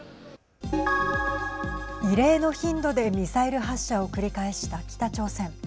異例の頻度でミサイル発射を繰り返した北朝鮮。